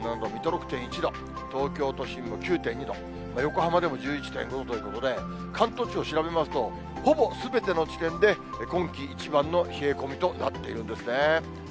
６．１度、東京都心も９．２度、横浜でも１１．５度ということで、関東地方調べますと、ほぼすべての地点で今季一番の冷え込みとなっているんですね。